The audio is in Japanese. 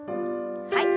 はい。